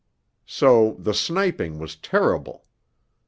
So the sniping was terrible.